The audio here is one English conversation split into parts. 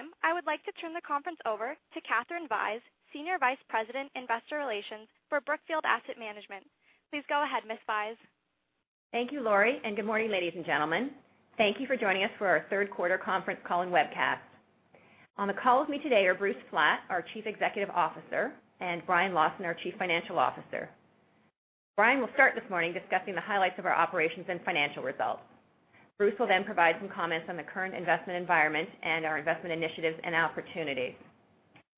This time, I would like to turn the conference over to Katherine Vyse, Senior Vice President, Investor Relations for Brookfield Asset Management. Please go ahead, Ms. Vyse. Thank you, Lori, and good morning, ladies and gentlemen. Thank you for joining us for our Third Quarter Conference Call and Webcast. On the call with me today are Bruce Flatt, our Chief Executive Officer, and Brian Lawson, our Chief Financial Officer. Brian will start this morning discussing the highlights of our operations and financial results. Bruce will then provide some comments on the current investment environment and our investment initiatives and opportunities.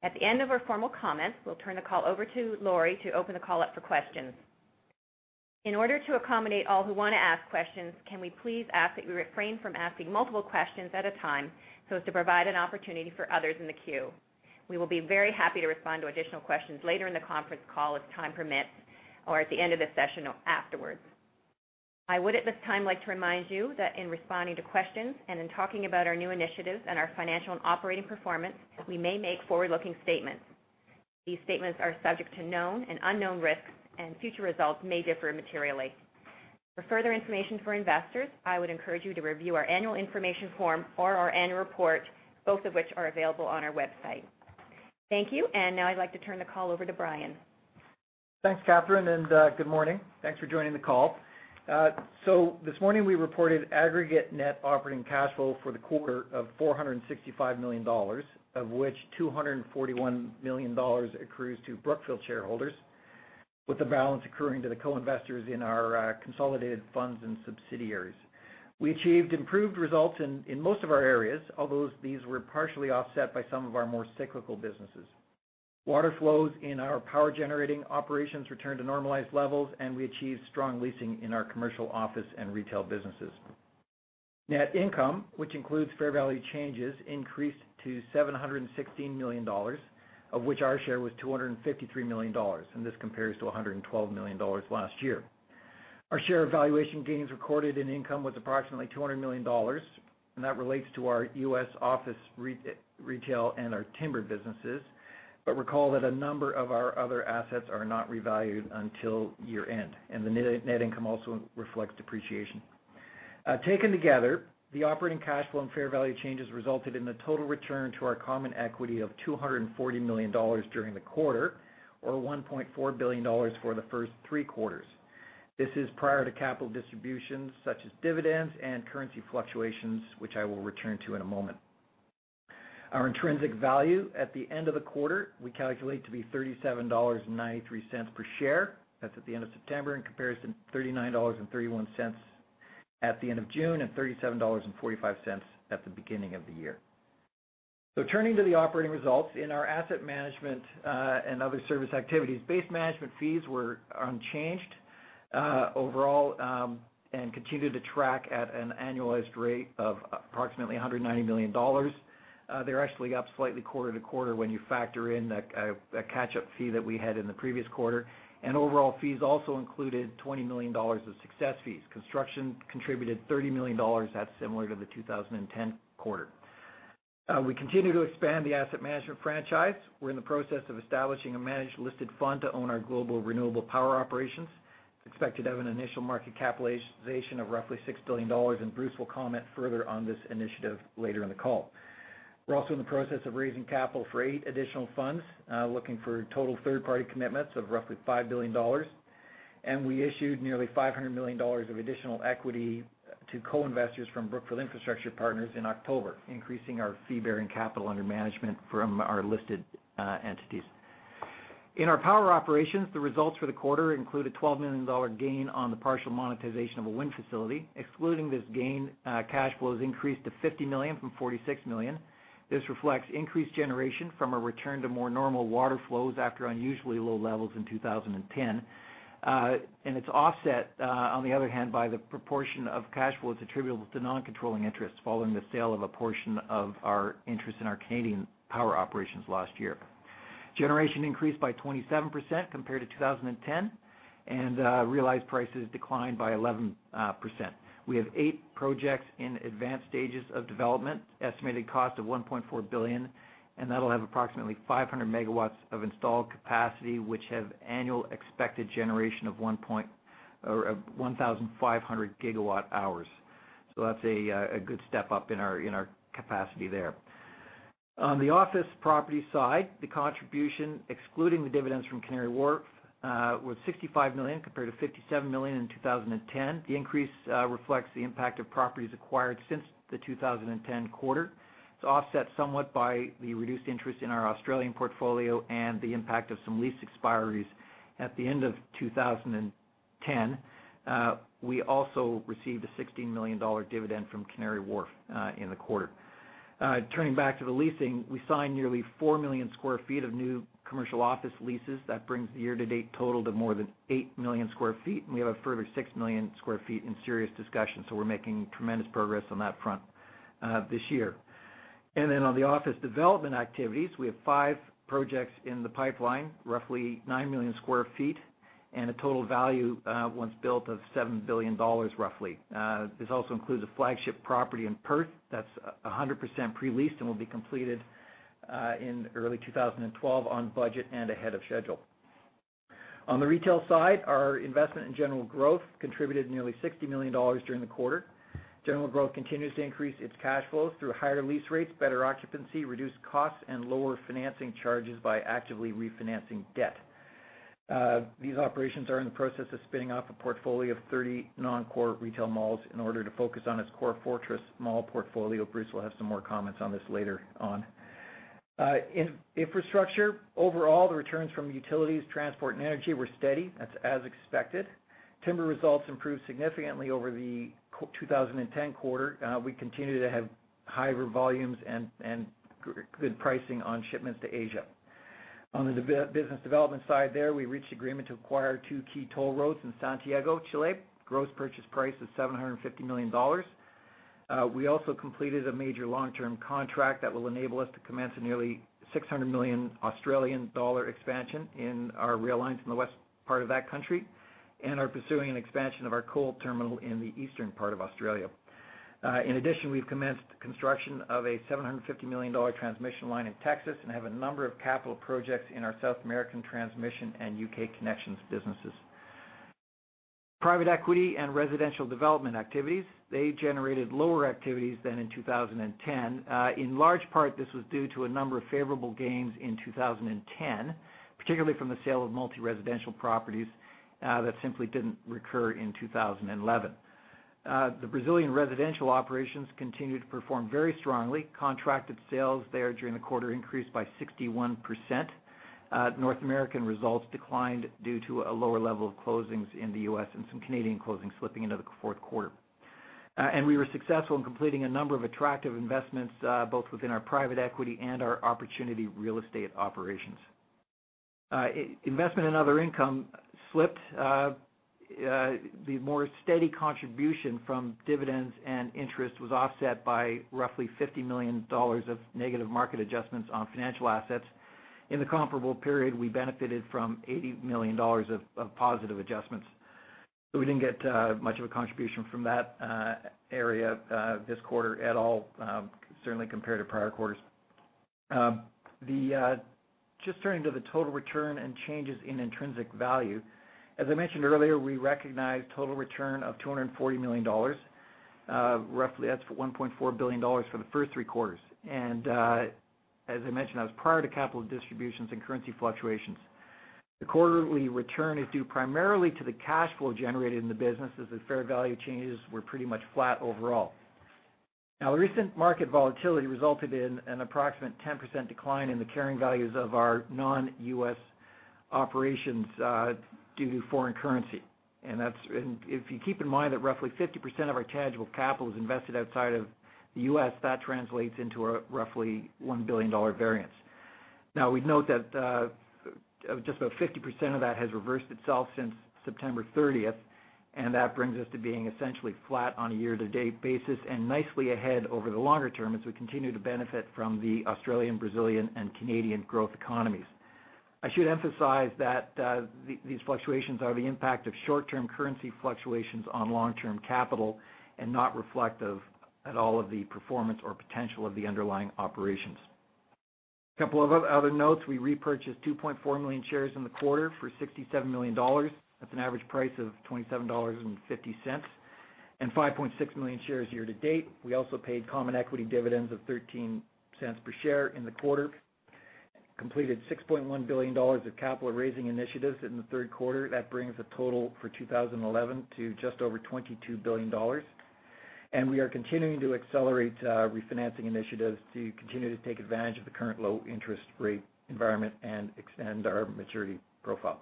At the end of our formal comments, we'll turn the call over to Lori to open the call up for questions. In order to accommodate all who want to ask questions, can we please ask that we refrain from asking multiple questions at a time so as to provide an opportunity for others in the queue? We will be very happy to respond to additional questions later in the conference call if time permits, or at the end of the session or afterwards. I would at this time like to remind you that in responding to questions and in talking about our new initiatives and our financial and operating performance, we may make forward-looking statements. These statements are subject to known and unknown risks, and future results may differ materially. For further information for investors, I would encourage you to review our annual information form or our annual report, both of which are available on our website. Thank you, and now I'd like to turn the call over to Brian. Thanks, Katherine, and good morning. Thanks for joining the call. This morning we reported aggregate net operating cash flow for the quarter of $465 million, of which $241 million accrues to Brookfield shareholders, with the balance accruing to the co-investors in our consolidated funds and subsidiaries. We achieved improved results in most of our areas, although these were partially offset by some of our more cyclical businesses. Water flows in our power-generating operations returned to normalized levels, and we achieved strong leasing in our commercial office and retail businesses. Net income, which includes fair value changes, increased to $716 million, of which our share was $253 million, and this compares to $112 million last year. Our share of valuation gains recorded in income was approximately $200 million, and that relates to our U.S. office, retail, and our timber businesses. Recall that a number of our other assets are not revalued until year-end, and the net income also reflects depreciation. Taken together, the operating cash flow and fair value changes resulted in the total return to our common equity of $240 million during the quarter, or $1.4 billion for the first three quarters. This is prior to capital distributions such as dividends and currency fluctuations, which I will return to in a moment. Our intrinsic value at the end of the quarter we calculate to be $37.93 per share. That's at the end of September in comparison to $39.31 at the end of June and $37.45 at the beginning of the year. Turning to the operating results, in our asset management and other service activities, base management fees were unchanged overall and continue to track at an annualized rate of approximately $190 million. They're actually up slightly quarter to quarter when you factor in the catch-up fee that we had in the previous quarter, and overall fees also included $20 million of success fees. Construction contributed $30 million. That's similar to the 2010 quarter. We continue to expand the asset management franchise. We're in the process of establishing a managed listed fund to own our global renewable power operations, expected to have an initial market capitalization of roughly $6 billion, and Bruce will comment further on this initiative later in the call. We're also in the process of raising capital for eight additional funds, looking for total third-party commitments of roughly $5 billion, and we issued nearly $500 million of additional equity to co-investors from Brookfield Infrastructure Partners in October, increasing our fee-bearing capital under management from our listed entities. In our power operations, the results for the quarter include a $12 million gain on the partial monetization of a wind facility. Excluding this gain, cash flows increased to $50 million from $46 million. This reflects increased generation from a return to more normal water flows after unusually low levels in 2010, and it's offset, on the other hand, by the proportion of cash flow that's attributable to non-controlling interests following the sale of a portion of our interest in our Canadian power operations last year. Generation increased by 27% compared to 2010, and realized prices declined by 11%. We have eight projects in advanced stages of development, estimated cost of $1.4 billion, and that'll have approximately 500 MW of installed capacity, which have annual expected generation of 1,500 GWh. That's a good step up in our capacity there. On the office property side, the contribution, excluding the dividends from Canary Wharf, was $65 million compared to $57 million in 2010. The increase reflects the impact of properties acquired since the 2010 quarter. It's offset somewhat by the reduced interest in our Australian portfolio and the impact of some lease expiry at the end of 2010. We also received a $16 million dividend from Canary Wharf in the quarter. Turning back to the leasing, we signed nearly 4 million sq ft of new commercial office leases. That brings the year-to-date total to more than 8 million sq ft, and we have a further 6 million sq ft in serious discussion, so we're making tremendous progress on that front this year. On the office development activities, we have five projects in the pipeline, roughly 9 million sq ft, and a total value once built of $7 billion roughly. This also includes a flagship property in Perth that's 100% pre-leased and will be completed in early 2012 on budget and ahead of schedule. On the retail side, our investment in general growth contributed nearly $60 million during the quarter. General Growth continues to increase its cash flows through higher lease rates, better occupancy, reduced costs, and lower financing charges by actively refinancing debt. These operations are in the process of spinning off a portfolio of 30 non-core retail malls in order to focus on its core fortress mall portfolio. Bruce will have some more comments on this later on. In infrastructure, overall, the returns from utilities, transport, and energy were steady. That's as expected. Timber results improved significantly over the 2010 quarter. We continue to have higher volumes and good pricing on shipments to Asia. On the business development side there, we reached agreement to acquire two key toll roads in Santiago, Chile. Gross purchase price is $750 million. We also completed a major long-term contract that will enable us to commence a nearly 600 million Australian dollar expansion in our rail lines in the west part of that country and are pursuing an expansion of our coal terminal in the eastern part of Australia. In addition, we've commenced construction of a $750 million transmission line in Texas and have a number of capital projects in our South American transmission and U.K. connections businesses. Private equity and residential development activities, they generated lower activities than in 2010. In large part, this was due to a number of favorable gains in 2010, particularly from the sale of multi-residential properties that simply didn't recur in 2011. The Brazilian residential operations continue to perform very strongly. Contracted sales there during the quarter increased by 61%. North American results declined due to a lower level of closings in the U.S. and some Canadian closings slipping into the fourth quarter. We were successful in completing a number of attractive investments, both within our private equity and our opportunity real estate operations. Investment in other income slipped. The more steady contribution from dividends and interest was offset by roughly $50 million of negative market adjustments on financial assets. In the comparable period, we benefited from $80 million of positive adjustments. We didn't get much of a contribution from that area this quarter at all, certainly compared to prior quarters. Just turning to the total return and changes in intrinsic value, as I mentioned earlier, we recognized a total return of $240 million. Roughly, that's $1.4 billion for the first three quarters. As I mentioned, that was prior to capital distributions and currency fluctuations. The quarterly return is due primarily to the cash flow generated in the businesses as fair value changes were pretty much flat overall. The recent market volatility resulted in an approximate 10% decline in the carrying values of our non-U.S. operations due to foreign currency. If you keep in mind that roughly 50% of our tangible capital is invested outside of the U.S., that translates into a roughly $1 billion variance. We note that just about 50% of that has reversed itself since September 30, and that brings us to being essentially flat on a year-to-date basis and nicely ahead over the longer term as we continue to benefit from the Australian, Brazilian, and Canadian growth economies. I should emphasize that these fluctuations are the impact of short-term currency fluctuations on long-term capital and not reflective at all of the performance or potential of the underlying operations. A couple of other notes, we repurchased 2.4 million shares in the quarter for $67 million at an average price of $27.50, and 5.6 million shares year to date. We also paid common equity dividends of $0.13 per share in the quarter. Completed $6.1 billion of capital raising initiatives in the third quarter. That brings the total for 2011 to just over $22 billion. We are continuing to accelerate refinancing initiatives to continue to take advantage of the current low interest rate environment and extend our maturity profile.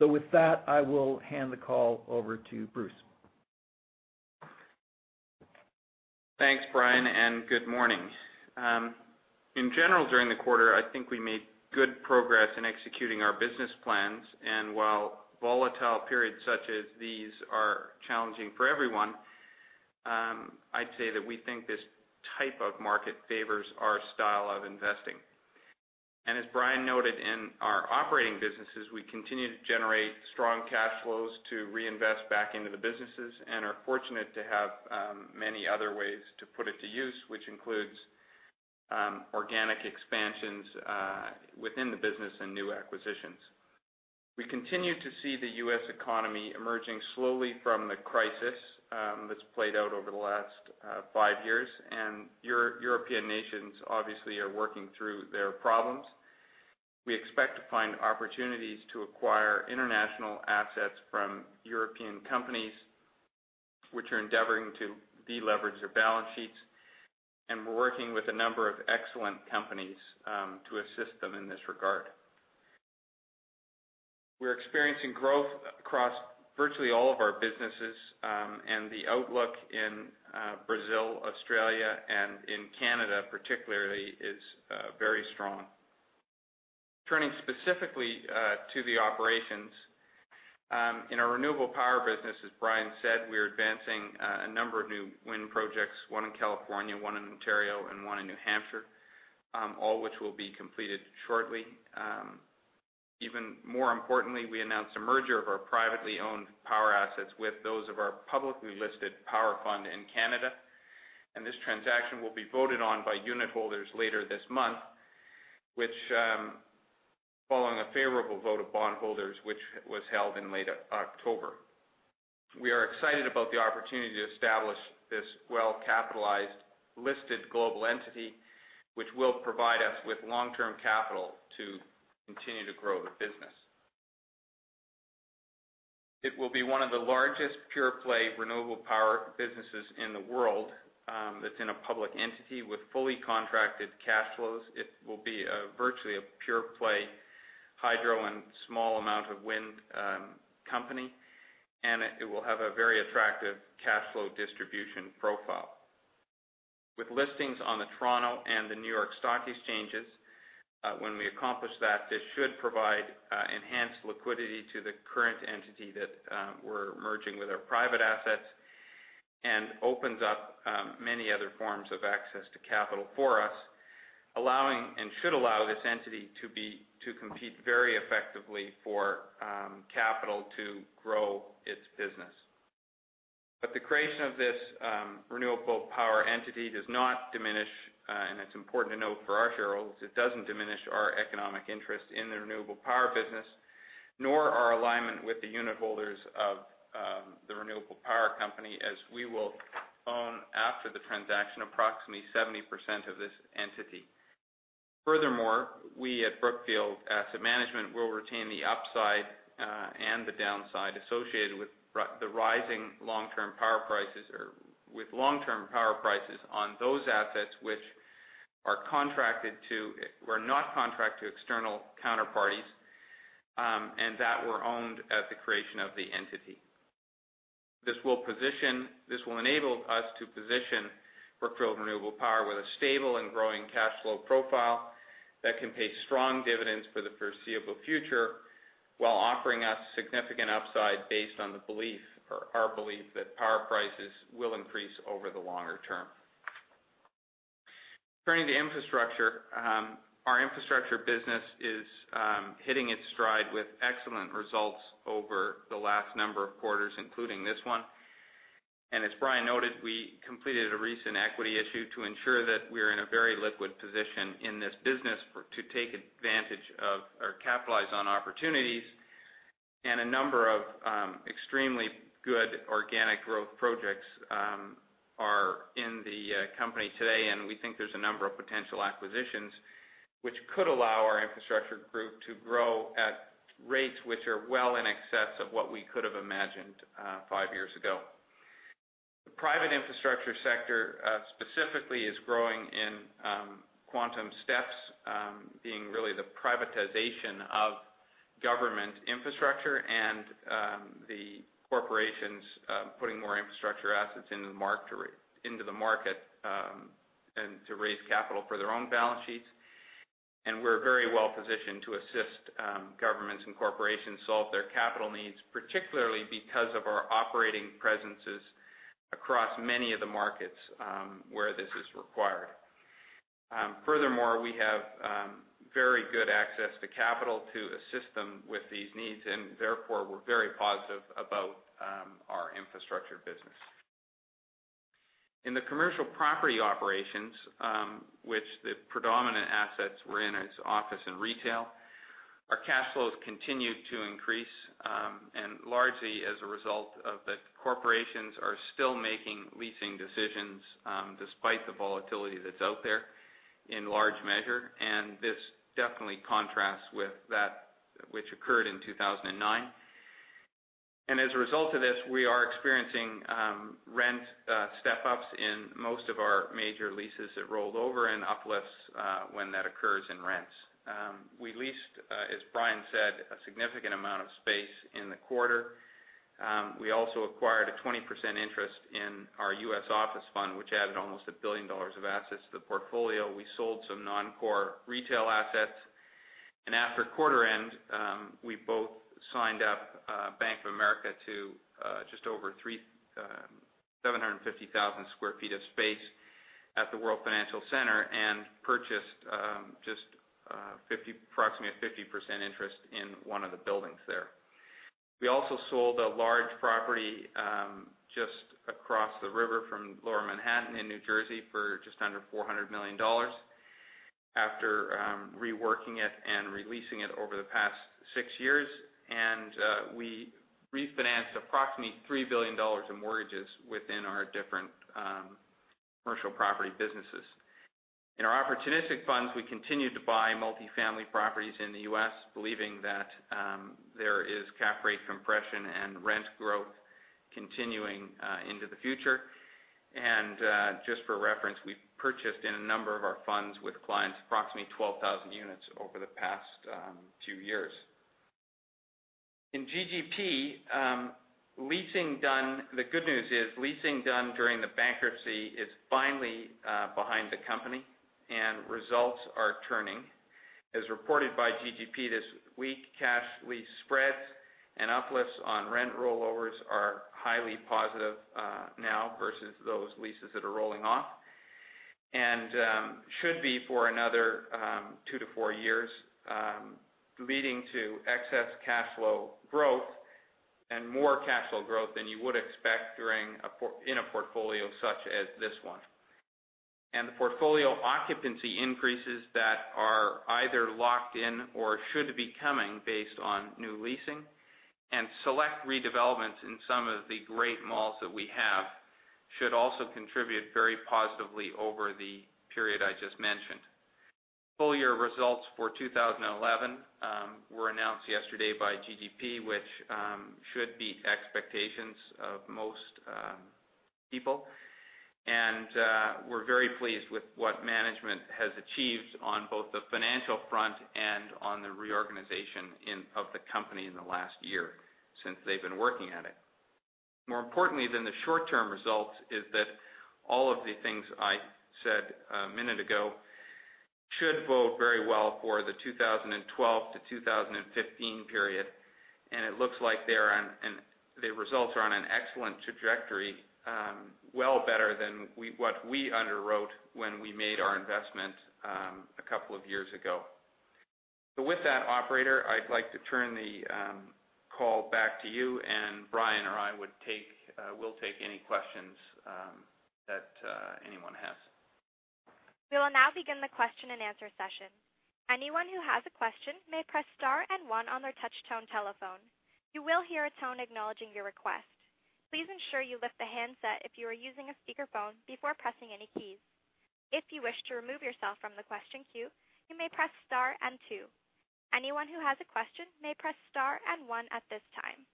With that, I will hand the call over to Bruce. Thanks, Brian, and good morning. In general, during the quarter, I think we made good progress in executing our business plans, and while volatile periods such as these are challenging for everyone, I would say that we think this type of market favors our style of investing. As Brian noted, in our operating businesses, we continue to generate strong cash flows to reinvest back into the businesses and are fortunate to have many other ways to put it to use, which includes organic expansions within the business and new acquisitions. We continue to see the U.S. economy emerging slowly from the crisis that's played out over the last five years, and European nations obviously are working through their problems. We expect to find opportunities to acquire international assets from European companies which are endeavoring to deleverage their balance sheets, and we're working with a number of excellent companies to assist them in this regard. We're experiencing growth across virtually all of our businesses, and the outlook in Brazil, Australia, and in Canada particularly is very strong. Turning specifically to the operations, in our renewable power business, as Brian said, we're advancing a number of new wind projects, one in California, one in Ontario, and one in New Hampshire, all of which will be completed shortly. Even more importantly, we announced a merger of our privately owned power assets with those of our publicly listed renewable power fund in Canada, and this transaction will be voted on by unit holders later this month, following a favorable vote of bondholders which was held in late October. We are excited about the opportunity to establish this well-capitalized listed global entity, which will provide us with long-term capital to continue to grow the business. It will be one of the largest pure-play renewable power businesses in the world. It's in a public entity with fully contracted cash flows. It will be virtually a pure-play hydro and small amount of wind company, and it will have a very attractive cash flow distribution profile. With listings on the Toronto and the New York Stock Exchanges, when we accomplish that, this should provide enhanced liquidity to the current entity that we're merging with our private assets and opens up many other forms of access to capital for us, allowing and should allow this entity to compete very effectively for capital to grow its business. The creation of this renewable power entity does not diminish, and it's important to note for our shareholders, it doesn't diminish our economic interest in the renewable power business, nor our alignment with the unit holders of the renewable power company, as we will own after the transaction approximately 70% of this entity. Furthermore, we at Brookfield Asset Management will retain the upside and the downside associated with the rising long-term power prices or with long-term power prices on those assets which are contracted to, were not contracted to external counterparties, and that were owned at the creation of the entity. This will enable us to position Brookfield Renewable Partners with a stable and growing cash flow profile that can pay strong dividends for the foreseeable future while offering us significant upside based on our belief that power prices will increase over the longer term. Turning to infrastructure, our infrastructure business is hitting its stride with excellent results over the last number of quarters, including this one. As Brian noted, we completed a recent equity issue to ensure that we're in a very liquid position in this business to capitalize on opportunities, and a number of extremely good organic growth projects are in the company today. We think there's a number of potential acquisitions which could allow our infrastructure group to grow at rates which are well in excess of what we could have imagined five years ago. The private infrastructure sector specifically is growing in quantum steps, being really the privatization of government infrastructure and the corporations putting more infrastructure assets into the market to raise capital for their own balance sheets. We're very well positioned to assist governments and corporations solve their capital needs, particularly because of our operating presences across many of the markets where this is required. Furthermore, we have very good access to capital to assist them with these needs, and therefore we're very positive about our infrastructure business. In the commercial property operations, which the predominant assets were in as office and retail, our cash flows continue to increase, and largely as a result of that corporations are still making leasing decisions despite the volatility that's out there in large measure, and this definitely contrasts with that which occurred in 2009. As a result of this, we are experiencing rent step-ups in most of our major leases that rolled over and uplifts when that occurs in rents. We leased, as Brian said, a significant amount of space in the quarter. We also acquired a 20% interest in our U.S. office fund, which added almost $1 billion of assets to the portfolio. We sold some non-core retail assets, and after quarter end, we both signed up Bank of America to just over 750,000 sq ft of space at the World Financial Center and purchased just approximately a 50% interest in one of the buildings there. We also sold a large property just across the river from Lower Manhattan in New Jersey for just under $400 million after reworking it and releasing it over the past six years, and we refinanced approximately $3 billion of mortgages within our different commercial property businesses. In our opportunistic funds, we continued to buy multifamily properties in the U.S., believing that there is cap rate compression and rent growth continuing into the future. Just for reference, we purchased in a number of our funds with clients approximately 12,000 units over the past few years. In GGP, leasing done, the good news is leasing done during the bankruptcy is finally behind the company, and results are turning. As reported by GGP this week, cash lease spreads and uplifts on rent rollovers are highly positive now versus those leases that are rolling off and should be for another two to four years, leading to excess cash flow growth and more cash flow growth than you would expect in a portfolio such as this one. The portfolio occupancy increases that are either locked in or should be coming based on new leasing, and select redevelopments in some of the great malls that we have should also contribute very positively over the period I just mentioned. Full-year results for 2011 were announced yesterday by GGP, which should beat expectations of most people, and we're very pleased with what management has achieved on both the financial front and on the reorganization of the company in the last year since they've been working at it. More importantly than the short-term results is that all of the things I said a minute ago should vote very well for the 2012 to 2015 period, and it looks like they're on, and the results are on an excellent trajectory, well better than what we underwrote when we made our investment a couple of years ago. With that, operator, I'd like to turn the call back to you, and Brian or I would take, we'll take any questions that anyone has. We will now begin the question and answer session. Anyone who has a question may press star and one on their touch-tone telephone. You will hear a tone acknowledging your request. Please ensure you lift the handset if you are using a speakerphone before pressing any keys. If you wish to remove yourself from the question queue, you may press star and two. Anyone who has a question may press star and one at this time.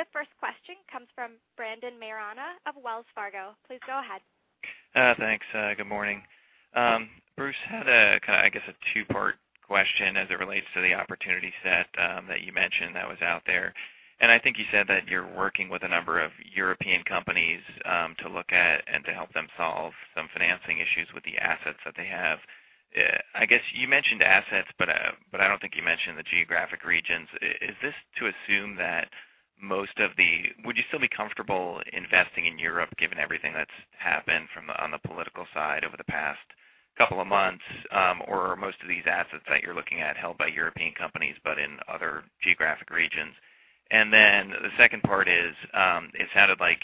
The first question comes from Brandon Mairana of Wells Fargo. Please go ahead. Thanks. Good morning. Bruce, I had a kind of, I guess, a two-part question as it relates to the opportunity set that you mentioned that was out there. I think you said that you're working with a number of European companies to look at and to help them solve some financing issues with the assets that they have. I guess you mentioned assets, but I don't think you mentioned the geographic regions. Is this to assume that most of the, would you still be comfortable investing in Europe given everything that's happened on the political side over the past couple of months, or are most of these assets that you're looking at held by European companies but in other geographic regions? The second part is, it sounded like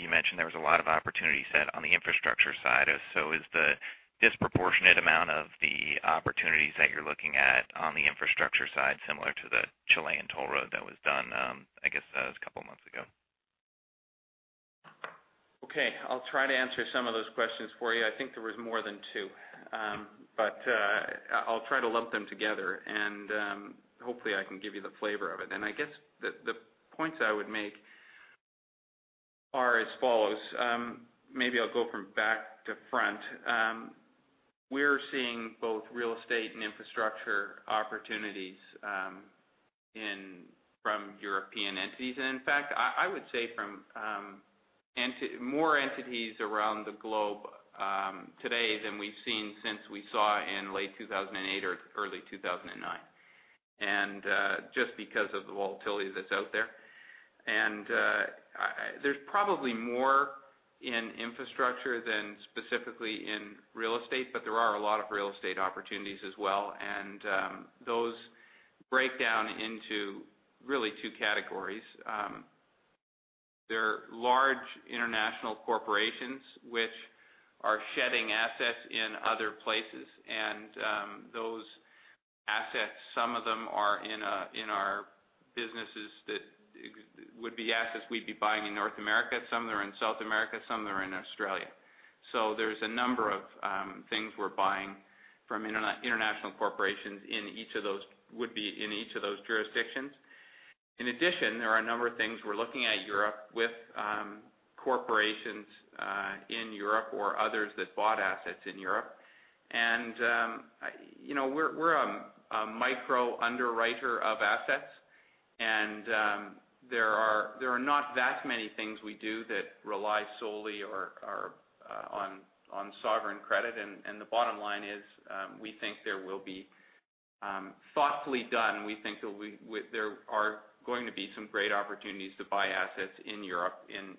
you mentioned there was a lot of opportunity set on the infrastructure side. Is the disproportionate amount of the opportunities that you're looking at on the infrastructure side similar to the Chilean toll road that was done, I guess, a couple of months ago? Okay. I'll try to answer some of those questions for you. I think there was more than two, but I'll try to lump them together, and hopefully I can give you the flavor of it. I guess the points I would make are as follows. Maybe I'll go from back to front. We're seeing both real estate and infrastructure opportunities from European entities, and in fact, I would say from more entities around the globe today than we've seen since we saw in late 2008 or early 2009, just because of the volatility that's out there. There's probably more in infrastructure than specifically in real estate, but there are a lot of real estate opportunities as well, and those break down into really two categories. There are large international corporations which are shedding assets in other places, and those assets, some of them are in our businesses that would be assets we'd be buying in North America. Some of them are in South America. Some of them are in Australia. There's a number of things we're buying from international corporations in each of those, would be in each of those jurisdictions. In addition, there are a number of things we're looking at Europe with corporations in Europe or others that bought assets in Europe. You know, we're a micro underwriter of assets, and there are not that many things we do that rely solely on sovereign credit. The bottom line is we think there will be thoughtfully done, we think there are going to be some great opportunities to buy assets in Europe in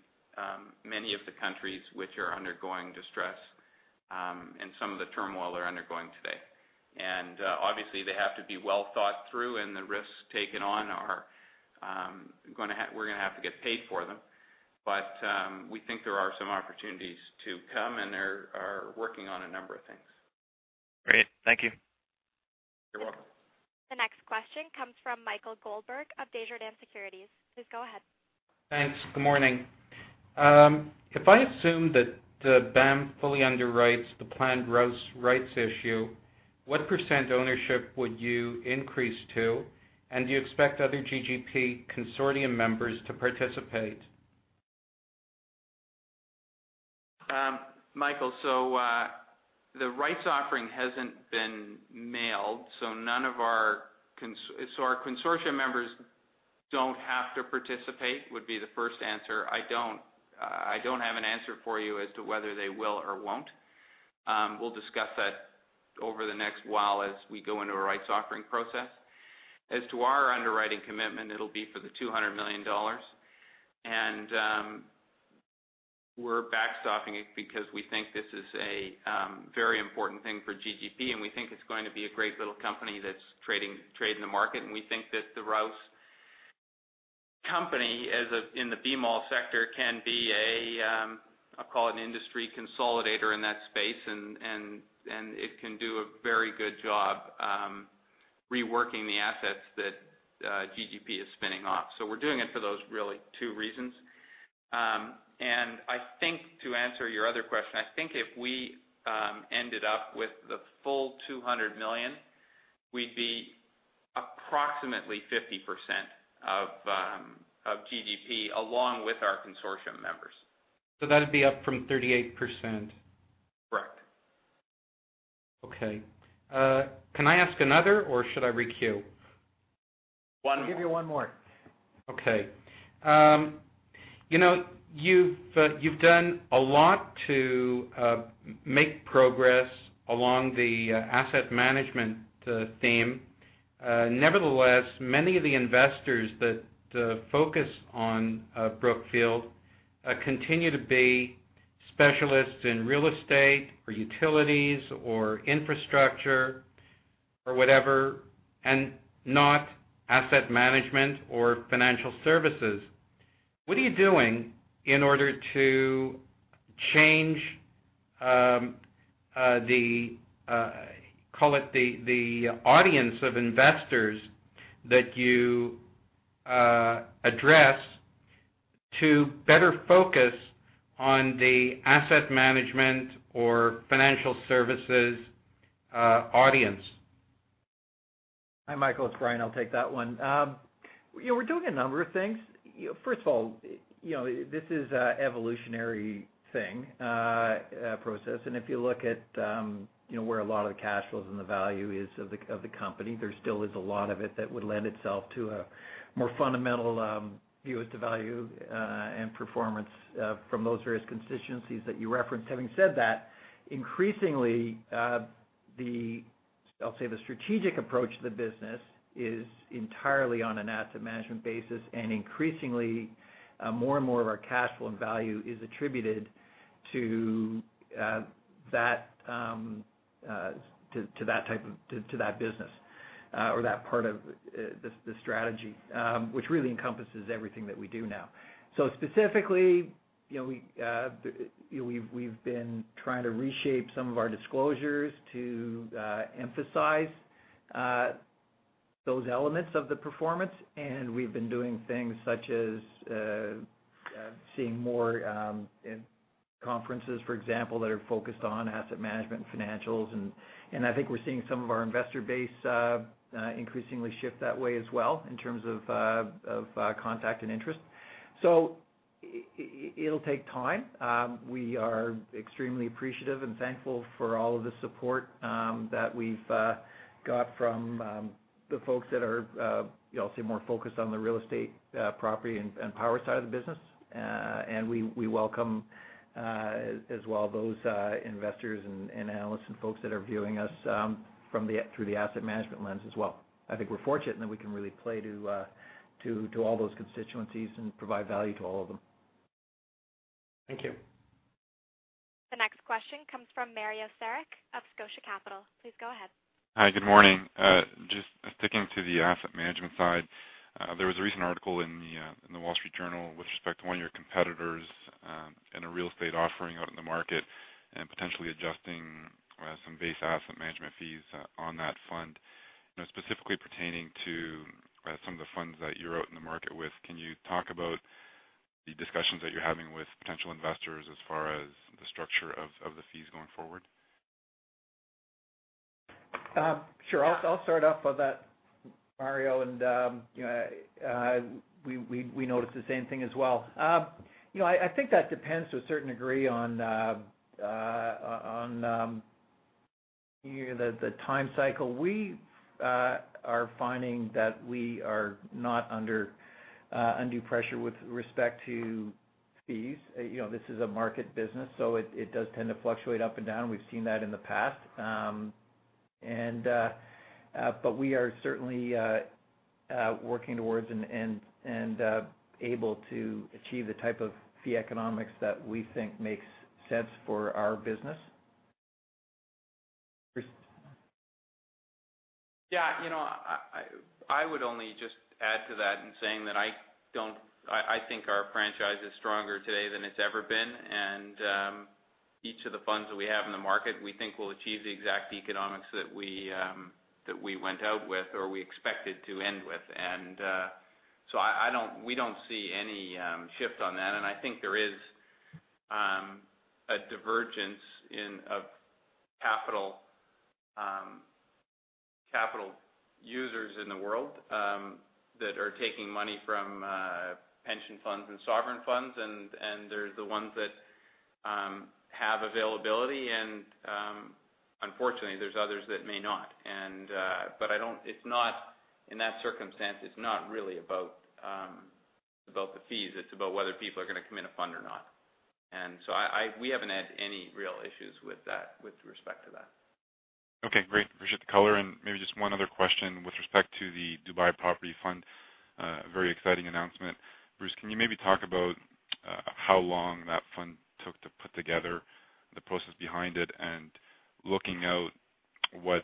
many of the countries which are undergoing distress and some of the turmoil they're undergoing today. Obviously, they have to be well thought through, and the risks taken on are going to have, we're going to have to get paid for them, but we think there are some opportunities to come, and they are working on a number of things. Great. Thank you. You're welcome. The next question comes from Michael Goldberg of Desjardins Securities. Please go ahead. Thanks. Good morning. If I assume that BAM fully underwrites the planned Rouse Rights issue, what % ownership would you increase to, and do you expect other GGP consortium members to participate? Michael, the rights offering hasn't been mailed, so our consortium members don't have to participate would be the first answer. I don't have an answer for you as to whether they will or won't. We'll discuss that over the next while as we go into a rights offering process. As to our underwriting commitment, it'll be for the $200 million, and we're backstopping it because we think this is a very important thing for GGP, and we think it's going to be a great little company that's trading in the market, and we think that the Rouse company in the B-mall sector can be, I'll call it, an industry consolidator in that space, and it can do a very good job reworking the assets that GGP is spinning off. We're doing it for those really two reasons. I think to answer your other question, I think if we ended up with the full $200 million, we'd be approximately 50% of GGP along with our consortium members. That'd be up from 38%. Correct. Okay. Can I ask another or should I re-queue? Give you one more. Okay. You know, you've done a lot to make progress along the asset management theme. Nevertheless, many of the investors that focus on Brookfield continue to be specialists in real estate or utilities or infrastructure or whatever, and not asset management or financial services. What are you doing in order to change the, call it the audience of investors that you address to better focus on the asset management or financial services audience? Hi, Michael. It's Brian. I'll take that one. We're doing a number of things. First of all, this is an evolutionary process, and if you look at where a lot of the cash flows and the value is of the company, there still is a lot of it that would lend itself to a more fundamental view as to value and performance from those various constituencies that you referenced. Having said that, increasingly, I'll say the strategic approach to the business is entirely on an asset management basis, and increasingly more and more of our cash flow and value is attributed to that type of, to that business or that part of the strategy, which really encompasses everything that we do now. Specifically, we've been trying to reshape some of our disclosures to emphasize those elements of the performance, and we've been doing things such as seeing more conferences, for example, that are focused on asset management and financials, and I think we're seeing some of our investor base increasingly shift that way as well in terms of contact and interest. It'll take time. We are extremely appreciative and thankful for all of the support that we've got from the folks that are, I'll say, more focused on the real estate property and power side of the business, and we welcome as well those investors and analysts and folks that are viewing us through the asset management lens as well. I think we're fortunate in that we can really play to all those constituencies and provide value to all of them. Thank you. The next question comes from Mario Saric of Scotia Capital. Please go ahead. Hi, good morning. Just sticking to the asset management side, there was a recent article in The Wall Street Journal with respect to one of your competitors in a real estate offering out in the market and potentially adjusting some base asset management fees on that fund, specifically pertaining to some of the funds that you're out in the market with. Can you talk about the discussions that you're having with potential investors as far as the structure of the fees going forward? Sure. I'll start off with that, Mario, and you know, we noticed the same thing as well. I think that depends to a certain degree on the time cycle. We are finding that we are not under undue pressure with respect to fees. This is a market business, so it does tend to fluctuate up and down. We've seen that in the past, but we are certainly working towards and able to achieve the type of fee economics that we think makes sense for our business. I would only just add to that in saying that I don't, I think our franchise is stronger today than it's ever been, and each of the funds that we have in the market, we think will achieve the exact economics that we went out with or we expected to end with. We don't see any shift on that, and I think there is a divergence in capital users in the world that are taking money from pension funds and sovereign funds, and there's the ones that have availability, and unfortunately, there's others that may not. I don't, it's not in that circumstance, it's not really about the fees. It's about whether people are going to commit a fund or not. We haven't had any real issues with that, with respect to that. Okay, great. Appreciate the color, and maybe just one other question with respect to the Dubai property fund, a very exciting announcement. Bruce, can you maybe talk about how long that fund took to put together, the process behind it, and looking out what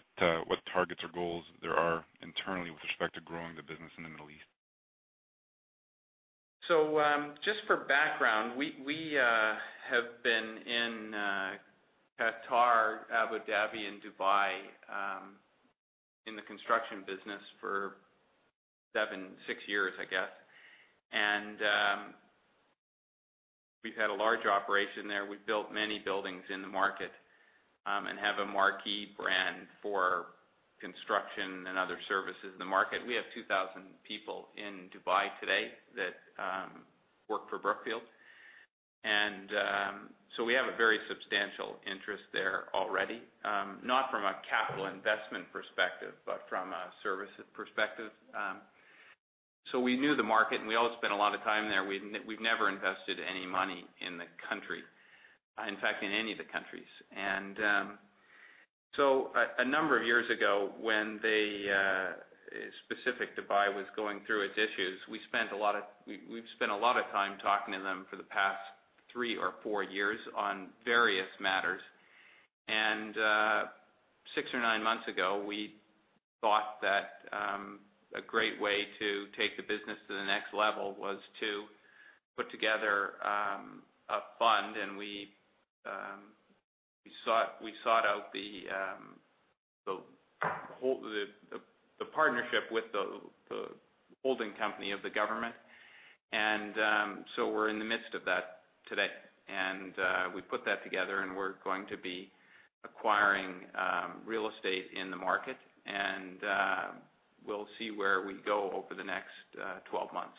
targets or goals there are internally with respect to growing the business in the Middle East? For background, we have been in Qatar, Abu Dhabi, and Dubai in the construction business for seven, six years, I guess, and we've had a large operation there. We've built many buildings in the market and have a marquee brand for construction and other services in the market. We have 2,000 people in Dubai today that work for Brookfield, and we have a very substantial interest there already, not from a capital investment perspective, but from a services perspective. We knew the market, and we always spent a lot of time there. We've never invested any money in the country, in fact, in any of the countries. A number of years ago, when Dubai was going through its issues, we spent a lot of time talking to them for the past three or four years on various matters, and six or nine months ago, we thought that a great way to take the business to the next level was to put together a fund, and we sought out the partnership with the holding company of the government. We're in the midst of that today, and we put that together, and we're going to be acquiring real estate in the market, and we'll see where we go over the next 12 months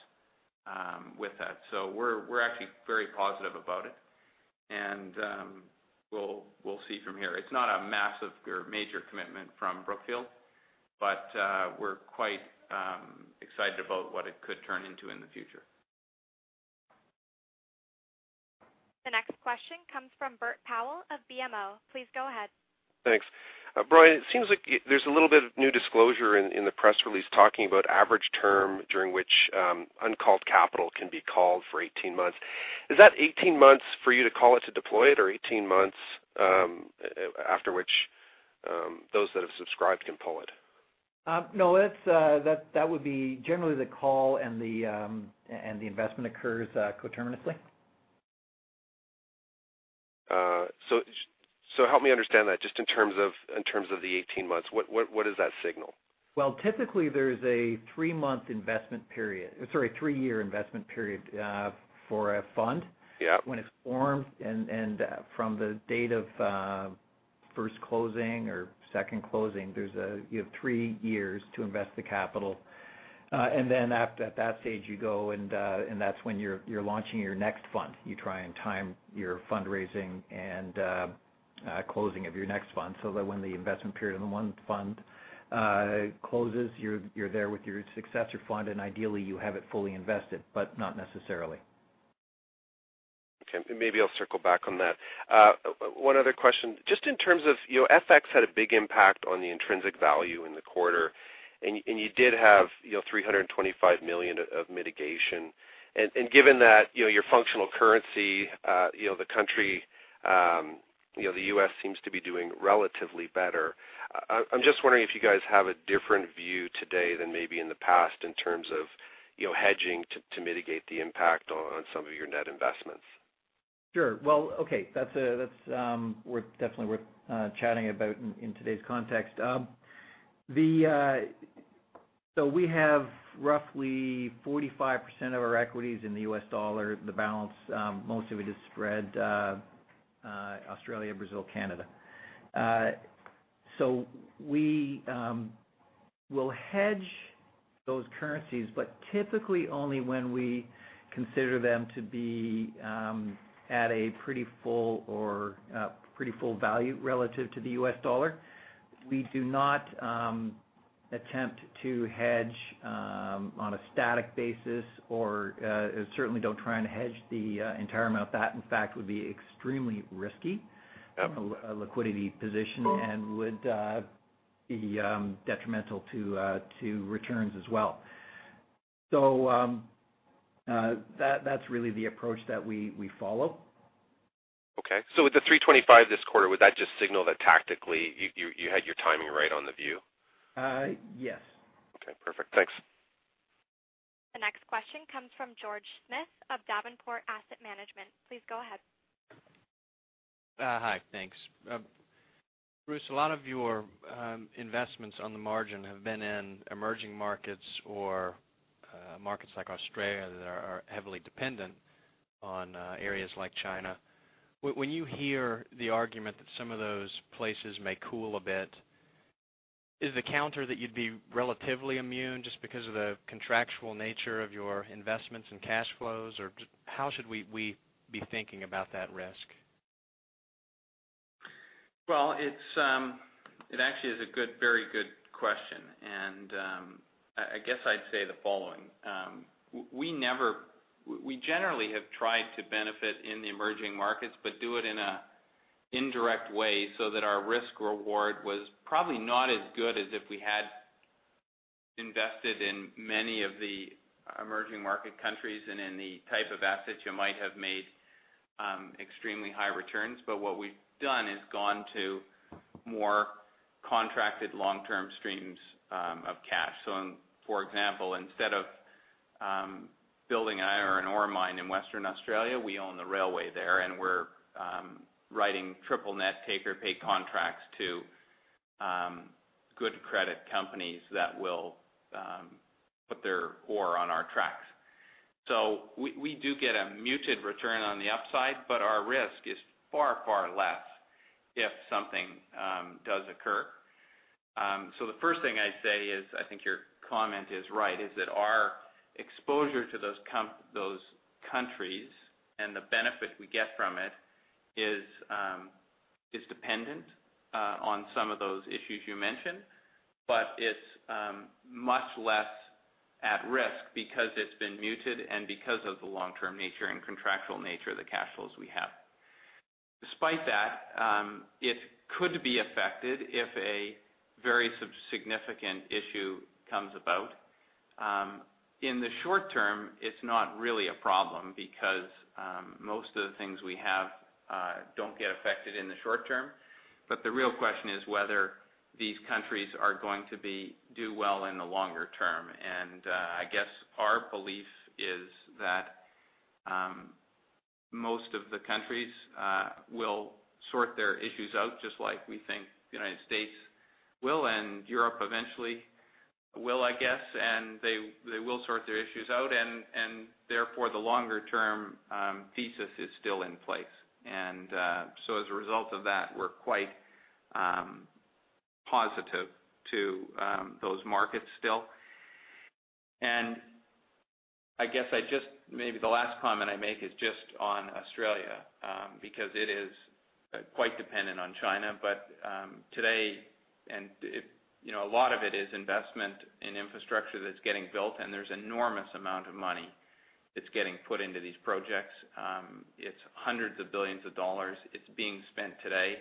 with that. We're actually very positive about it, and we'll see from here. It's not a massive or major commitment from Brookfield, but we're quite excited about what it could turn into in the future. The next question comes from Bert Powell of BMO. Please go ahead. Thanks. Brian, it seems like there's a little bit of new disclosure in the press release talking about average term during which uncalled capital can be called for 18 months. Is that 18 months for you to call it to deploy it, or 18 months after which those that have subscribed can pull it? No, that would be generally the call, and the investment occurs coterminously. Help me understand that just in terms of the 18 months. What does that signal? Typically, there's a three-year investment period for a fund when it's formed, and from the date of first closing or second closing, you have three years to invest the capital. At that stage, you go, and that's when you're launching your next fund. You try and time your fundraising and closing of your next fund so that when the investment period in the one fund closes, you're there with your successor fund, and ideally, you have it fully invested, but not necessarily. Okay, maybe I'll circle back on that. One other question, just in terms of, you know, FX had a big impact on the intrinsic value in the quarter, and you did have $325 million of mitigation. Given that your functional currency, the country, you know, the U.S. seems to be doing relatively better, I'm just wondering if you guys have a different view today than maybe in the past in terms of, you know, hedging to mitigate the impact on some of your net investments. Sure. That's definitely worth chatting about in today's context. We have roughly 45% of our equities in the U.S. dollar. The balance, most of it is spread Australia, Brazil, Canada. We will hedge those currencies, but typically only when we consider them to be at a pretty full or pretty full value relative to the U.S. dollar. We do not attempt to hedge on a static basis or certainly don't try and hedge the entire amount. That, in fact, would be extremely risky liquidity position and would be detrimental to returns as well. That's really the approach that we follow. Okay, with the $325 million this quarter, would that just signal that tactically you had your timing right on the view? Yes. Okay, perfect. Thanks. The next question comes from George Smith of Davenport Asset Management. Please go ahead. Hi, thanks. Bruce, a lot of your investments on the margin have been in emerging markets or markets like Australia that are heavily dependent on areas like China. When you hear the argument that some of those places may cool a bit, is the counter that you'd be relatively immune just because of the contractual nature of your investments and cash flows, or how should we be thinking about that risk? It actually is a very good question, and I guess I'd say the following. We generally have tried to benefit in the emerging markets, but do it in an indirect way so that our risk-reward was probably not as good as if we had invested in many of the emerging market countries and in the type of assets you might have made extremely high returns. What we've done is gone to more contracted long-term streams of cash. For example, instead of building an iron ore mine in Western Australia, we own the railway there, and we're writing triple net taker pay contracts to good credit companies that will put their ore on our tracks. We do get a muted return on the upside, but our risk is far, far less if something does occur. The first thing I'd say is I think your comment is right, that our exposure to those countries and the benefit we get from it is dependent on some of those issues you mentioned, but it's much less at risk because it's been muted and because of the long-term nature and contractual nature of the cash flows we have. Despite that, it could be affected if a very significant issue comes about. In the short term, it's not really a problem because most of the things we have don't get affected in the short term. The real question is whether these countries are going to do well in the longer term. I guess our belief is that most of the countries will sort their issues out just like we think the United States will and Europe eventually will, I guess, and they will sort their issues out, and therefore, the longer-term thesis is still in place. As a result of that, we're quite positive to those markets still. Maybe the last comment I make is just on Australia because it is quite dependent on China, but today, and you know, a lot of it is investment in infrastructure that's getting built, and there's an enormous amount of money that's getting put into these projects. It's hundreds of billions of dollars that's being spent today.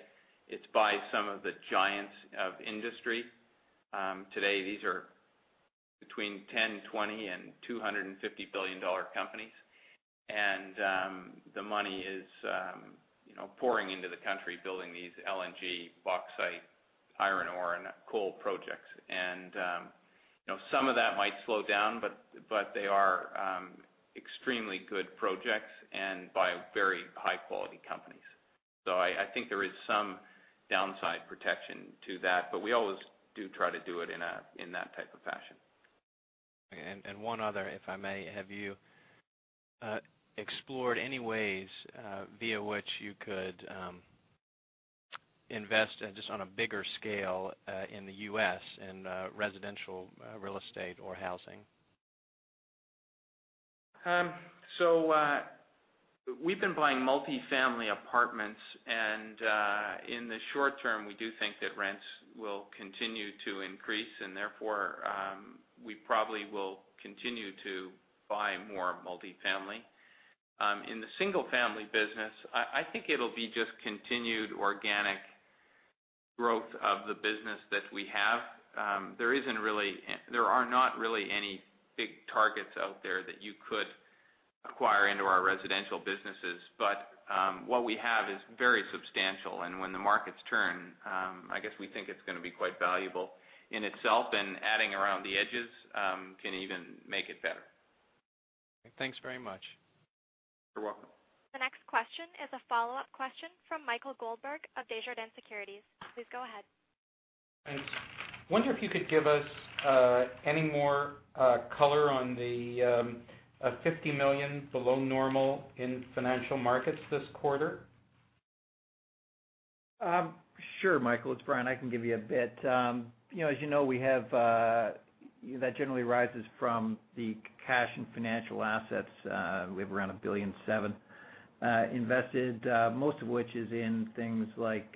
It's by some of the giants of industry. Today, these are between $10 billion and $20 billion and $250 billion companies, and the money is, you know, pouring into the country building these LNG, bauxite, iron ore, and coal projects. You know, some of that might slow down, but they are extremely good projects and by very high-quality companies. I think there is some downside protection to that, but we always do try to do it in that type of fashion. Okay. One other, if I may, have you explored any ways via which you could invest just on a bigger scale in the U.S. in residential real estate or housing? We've been buying multifamily apartments, and in the short term, we do think that rents will continue to increase, and therefore, we probably will continue to buy more multifamily. In the single-family business, I think it'll be just continued organic growth of the business that we have. There are not really any big targets out there that you could acquire into our residential businesses, but what we have is very substantial, and when the markets turn, I guess we think it's going to be quite valuable in itself, and adding around the edges can even make it better. Thanks very much. You're welcome. The next question is a follow-up question from Michael Goldberg of Desjardins Securities. Please go ahead. Thanks. I wonder if you could give us any more color on the $50 million below normal in financial markets this quarter? Sure, Michael. It's Brian. I can give you a bit. As you know, we have, that generally rises from the cash and financial assets. We have around $1.7 billion invested, most of which is in things like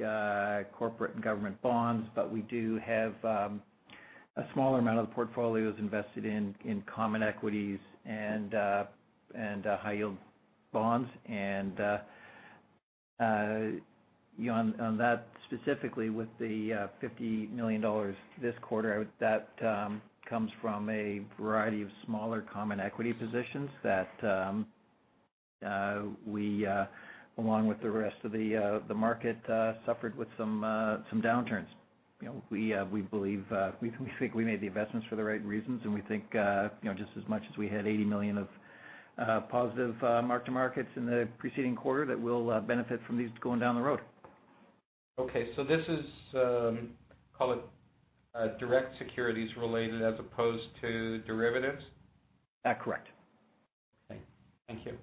corporate and government bonds, but we do have a smaller amount of the portfolios invested in common equities and high-yield bonds. On that specifically with the $50 million this quarter, that comes from a variety of smaller common equity positions that we, along with the rest of the market, suffered with some downturns. We believe, we think we made the investments for the right reasons, and we think, just as much as we had $80 million of positive mark-to-markets in the preceding quarter, that we'll benefit from these going down the road. Okay. This is, call it direct securities related as opposed to derivatives? Correct. Okay. Thank you.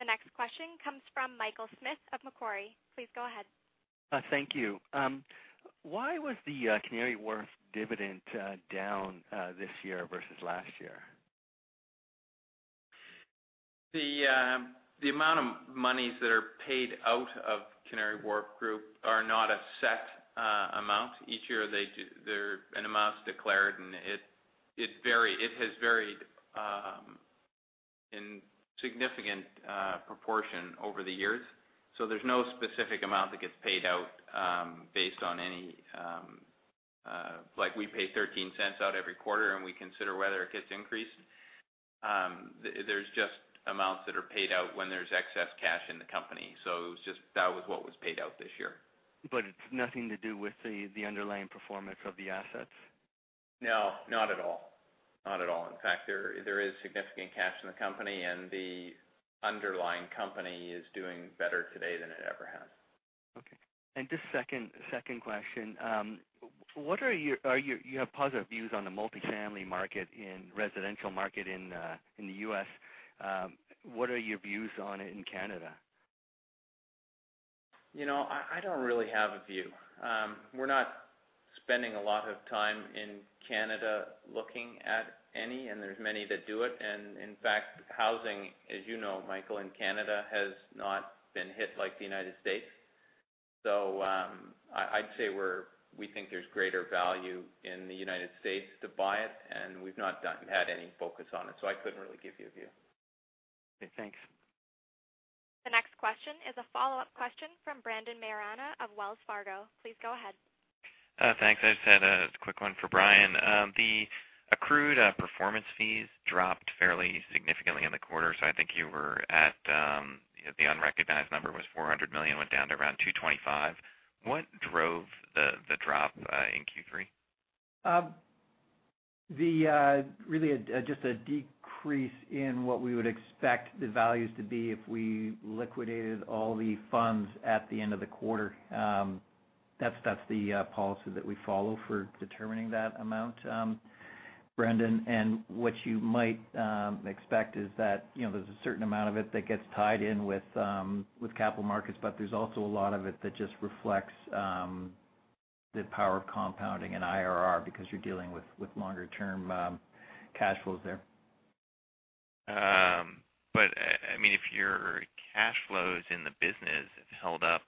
The next question comes from Michael Smith of Macquarie. Please go ahead. Thank you. Why was the Canary Wharf dividend down this year versus last year? The amount of monies that are paid out of Canary Wharf Group are not a set amount. Each year, an amount is declared, and it has varied in a significant proportion over the years. There is no specific amount that gets paid out based on any, like we pay $0.13 out every quarter and we consider whether it gets increased. There are just amounts that are paid out when there is excess cash in the company, so it was just that was what was paid out this year. It has nothing to do with the underlying performance of the assets? No, not at all. In fact, there is significant cash in the company, and the underlying company is doing better today than it ever has. Okay. Just second question, you have positive views on the multifamily market in the residential market in the U.S. What are your views on it in Canada? I don't really have a view. We're not spending a lot of time in Canada looking at any, and there are many that do it. In fact, housing, as you know, Michael, in Canada has not been hit like the United States. I'd say we think there's greater value in the United States to buy it, and we've not had any focus on it, so I couldn't really give you a view. Okay. Thanks. The next question is a follow-up question from Brandon Mairana of Wells Fargo. Please go ahead. Thanks. I just had a quick one for Brian. The accrued performance fees dropped fairly significantly in the quarter. I think you were at, you know, the unrecognized number was $400 million, went down to around $225 million. What drove the drop in Q3? Really, just a decrease in what we would expect the values to be if we liquidated all the funds at the end of the quarter. That's the policy that we follow for determining that amount, Brandon. What you might expect is that there's a certain amount of it that gets tied in with capital markets, but there's also a lot of it that just reflects the power of compounding and IRR because you're dealing with longer-term cash flows there. If your cash flows in the business held up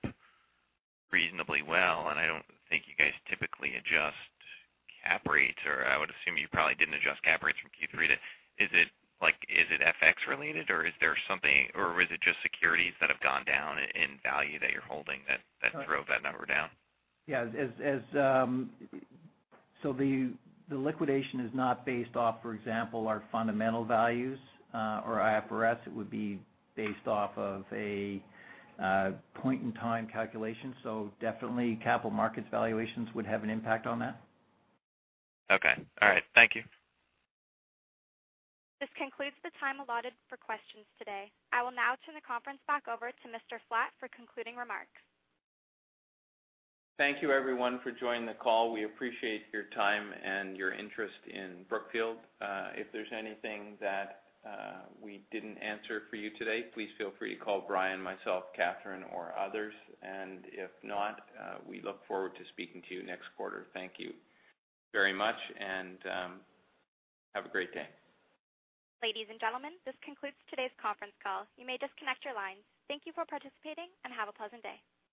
reasonably well, and I don't think you guys typically adjust cap rates, or I would assume you probably didn't adjust cap rates from Q3, is it like, is it FX related, or is there something, or is it just securities that have gone down in value that you're holding that drove that number down? Yeah. The liquidation is not based off, for example, our fundamental values or IFRS. It would be based off of a point-in-time calculation, so definitely capital markets valuations would have an impact on that. Okay. All right. Thank you. This concludes the time allotted for questions today. I will now turn the conference back over to Mr. Flatt for concluding remarks. Thank you, everyone, for joining the call. We appreciate your time and your interest in Brookfield. If there's anything that we didn't answer for you today, please feel free to call Brian, myself, Katherine, or others. If not, we look forward to speaking to you next quarter. Thank you very much, and have a great day. Ladies and gentlemen, this concludes today's conference call. You may disconnect your lines. Thank you for participating and have a pleasant day.